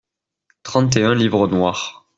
Trente et un livres noirs.